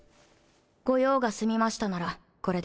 ご用が済みましたならこれで。